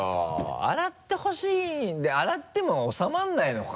洗ってほしい洗ってもおさまらないのか？